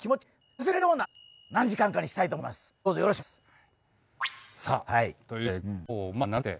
何時間かにしたいと思っております。